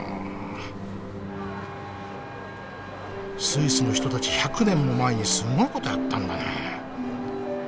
スイスの人たち１００年も前にすごいことやったんだね。